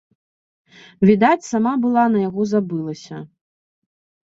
Відаць, сама была на яго забылася.